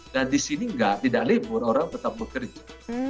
dan di sini tidak tidak libur orang tetap bekerja